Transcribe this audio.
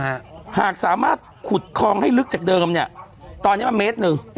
หากสามารถขุดคลองให้ลึกจากเดิมเนี้ยตอนเนี้ยมันเมตรหนึ่ง